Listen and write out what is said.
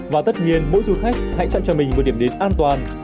và tất nhiên mỗi du khách hãy chọn cho mình một điểm đến an toàn